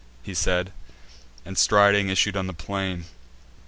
He said; and, striding, issued on the plain.